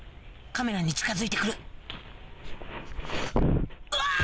カメラに近づいて来るうわ